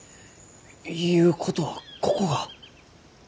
ゆうことはここが。